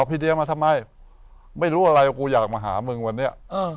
พี่เดียมาทำไมไม่รู้อะไรกูอยากมาหามึงวันนี้